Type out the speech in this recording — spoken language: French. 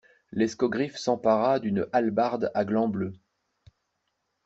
L'escogriffe s'empara d'une hallebarde à gland bleu.